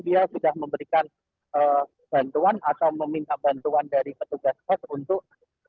dia sudah memberikan bantuan atau meminta bantuan dari petugas pos untuk